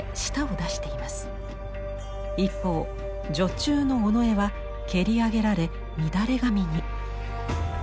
一方女中の尾上は蹴り上げられ乱れ髪に。